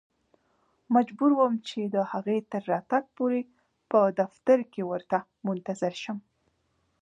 مجبور وم چې د هغې تر راتګ پورې په دفتر کې ورته منتظر شم.